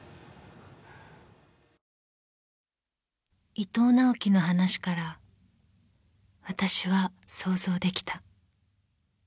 ［伊藤直季の話からわたしは想像できた］